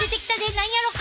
何やろか？